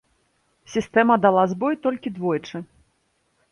Сістэма дала збой толькі двойчы.